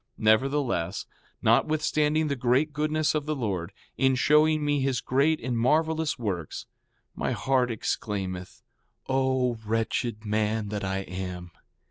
4:17 Nevertheless, notwithstanding the great goodness of the Lord, in showing me his great and marvelous works, my heart exclaimeth: O wretched man that I am!